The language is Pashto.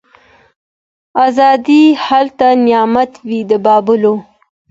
آزادي هلته نعمت وي د بلبلو